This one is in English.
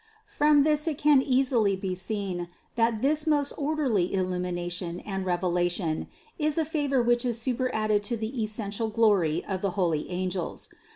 From this it can easily be seen, that this most orderly illumination and revelation is a favor which is superadded to the essential glory of the holy angels.